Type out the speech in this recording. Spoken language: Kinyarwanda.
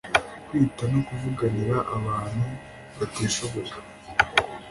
Kwita no kuvuganira abantu batishoboye